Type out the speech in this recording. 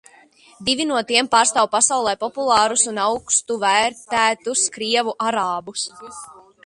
Divi no tiem pārstāv pasaulē populāros un augstu vērtētos krievu arābus.